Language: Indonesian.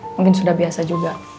mungkin sudah biasa juga